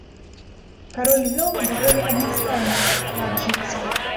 Кароль вёў даволі аднастайны лад жыцця.